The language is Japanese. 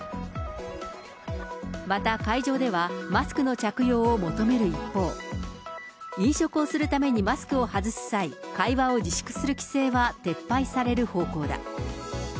また、会場ではマスクの着用を求める一方、飲食をするためにマスクを外す際、会話を自粛する規制は撤廃される方向だ。